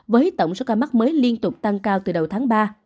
với tổng số ca mắc mới liên tục tăng cao từ đầu tháng ba